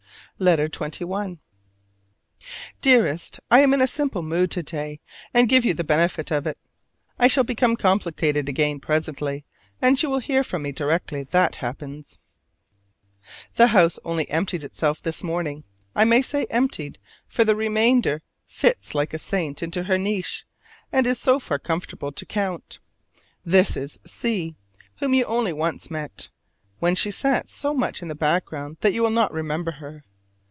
LETTER XXI. Dearest: I am in a simple mood to day, and give you the benefit of it: I shall become complicated again presently, and you will hear from me directly that happens. The house only emptied itself this morning; I may say emptied, for the remainder fits like a saint into her niche, and is far too comfortable to count. This is C , whom you only once met, when she sat so much in the background that you will not remember her.